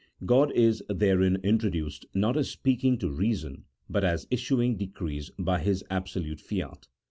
God is therein introduced not as speaking to reason, but as issuing decrees by His absolute fiat.